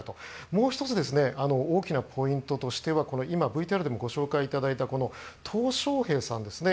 もう１つ大きなポイントとしては今ＶＴＲでもご紹介いただいたトウ・ショウヘイさんですね。